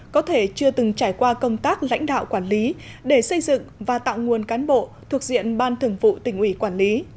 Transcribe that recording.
có thể chưa từng trải qua công tác lãnh đạo quản lý để xây dựng và tạo nguồn cán bộ thuộc diện ban thường vụ tỉnh ủy quản lý